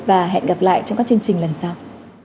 và hẹn gặp lại trong các chương trình lần sau